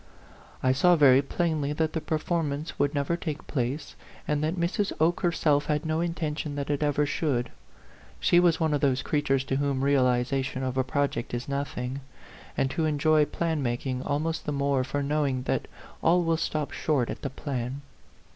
I saw very plainly that the performance would never take place, and that Mrs. Oke herself had no intention that it ever should. She was one of those creatures to whom re alization of a project is nothing, and who enjoy plan making almost the more for knowing that all will stop short at the plan.